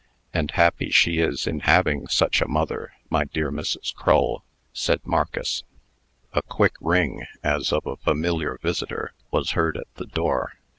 "And happy she is in having such a mother, my dear Mrs. Crull," said Marcus. A quick ring, as of a familiar visitor, was heard at the door.